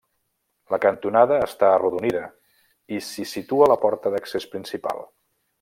La cantonada està arrodonida i s'hi situa la porta d'accés principal.